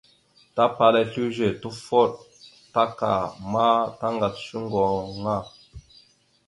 Tapala slʉze, tufoɗ, taka ma tagasl shʉŋgo aŋa.